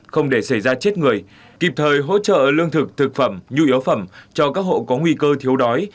không để xảy ra chết người kịp thời hỗ trợ lương thực thực phẩm nhu yếu phẩm cho các hộ có nguy cơ thiếu đói